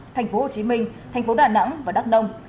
thành phố hồ chí minh thành phố đà nẵng và đắk nông